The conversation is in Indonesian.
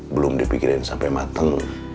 belum dipikirin sampe mateng